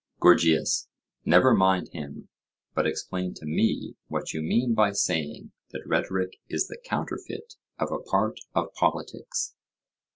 GORGIAS: Never mind him, but explain to me what you mean by saying that rhetoric is the counterfeit of a part of politics.